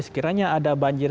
sekiranya ada banjir